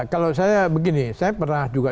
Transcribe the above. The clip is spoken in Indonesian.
kalau saya begini saya pernah juga